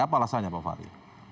apa alasannya pak fahri